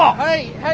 はい！